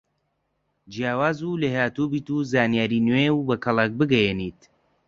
جیاواز و لێهاتووبیت و زانیاری نوێ و بە کەڵک بگەیەنیت